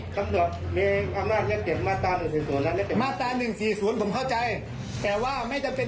ขัดขวางตรงไหนท่านจะจับผมเรื่องอะไรผมถามก่อน